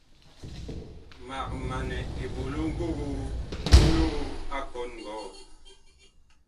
Mag manɛ eɓolo ngogoo ki loo a kɔn ngɔɔ.